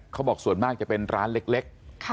เขาบอกส่วนมากจะเป็นร้านเล็ก